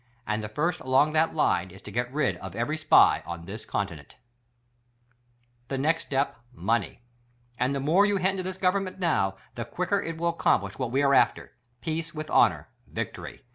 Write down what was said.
And the first along that line is to get rid of every SPY on this Continent ! The next step — money; and the more you hand to this Government now, the quicker it will accomplish what we are after— peace with honor, victory.